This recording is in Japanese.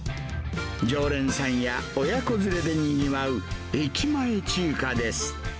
常連さんや親子連れでにぎわう、駅前中華です。